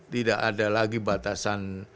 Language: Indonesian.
tidak ada lagi batasan